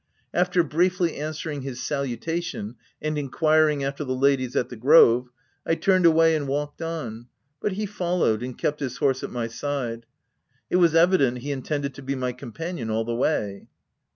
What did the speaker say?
After briefly answering his salutation and inquiring after the ladies at the Grove, I turned away and walked on ; but he followed, and kept his horse at my side : it was evident he intended to be my companion all the way.